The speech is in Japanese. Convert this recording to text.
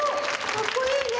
かっこいいね。